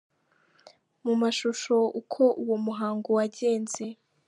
Mu mashusho uko uwo muhango wagenze.